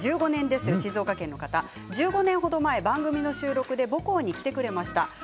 それから静岡県の方１５年程前に番組の収録で母校に来てくれました。